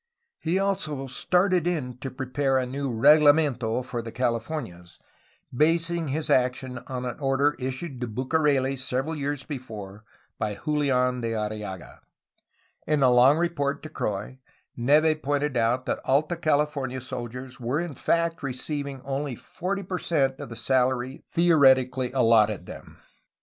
He also started in to prepare a new regla mento for the Californias, basing his action on an order issued to Bucareli several years before by Julian de Arriaga. In a long report to Croix, Neve pointed out that Alta California soldiers were in fact receiving only forty per cent of the salary theoretically allotted them.